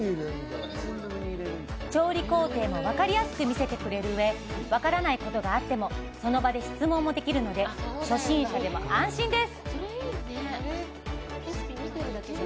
調理工程も分かりやすく見せてくれるうえ分からないことがあってもその場で質問もできるので初心者でも安心です